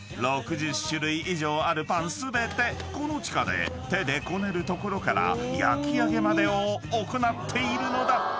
６０種類以上あるパン全てこの地下で手でこねるところから焼き上げまでを行っているのだ］